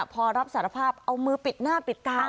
พอรับสารภาพเอามือปิดหน้าปิดตา